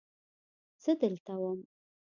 زه دلته وم.